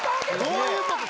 どういうこと？